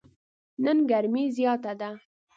نن ګرمي زیاته ده.